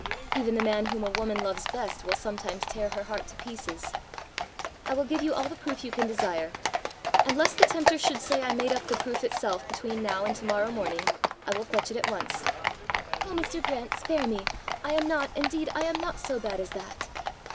Even the man whom a woman loves best will sometimes tear her heart to pieces! I will give you all the proof you can desire. And lest the tempter should say I made up the proof itself between now and to morrow morning, I will fetch it at once." "Oh, Mr. Grant, spare me! I am not, indeed, I am not so bad as that!"